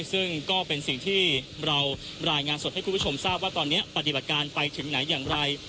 ซึ่งก็เป็นสิ่งที่เรารายงานสดให้คุณผู้ชมทราบว่าตอนนี้ปฏิบัติการไปถึงไหนอย่างไร